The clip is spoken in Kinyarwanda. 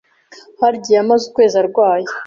hari n’igihe yamaze ukwezi arwaye